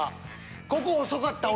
ここ遅かった俺。